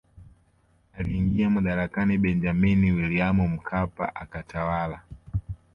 Aliingia madarakani Benjamini Williamu Mkapa akatawala